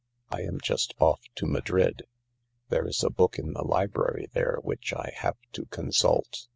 I am just off to Madrid. There is a book in the library there which I have to consult.